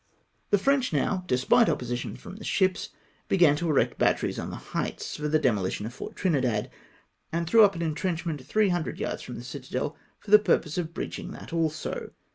BRAVERY OF THE CATALAN. 297 The French now, despite opposition from the ships, be^ an to erect batteries on the lieirfits for the demohtion of Fort Trinidad, and threw up an entrenchment 300 yards from the citadel, for the purpose of breaching that also.